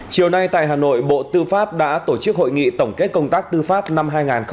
chiều nay tại hà nội bộ tư pháp đã tổ chức hội nghị tổng kết công tác tư pháp năm hai nghìn hai mươi ba